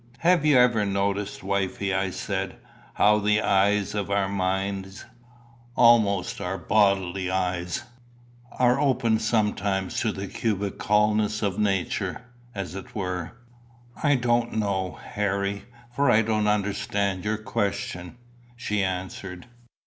"Have you ever noticed, wifie," I said, "how the eyes of our minds almost our bodily eyes are opened sometimes to the cubicalness of nature, as it were?" "I don't know, Harry, for I don't understand your question," she answered.